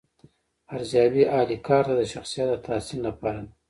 ارزیابي اهل کار ته د شخصیت د تحسین لپاره ده.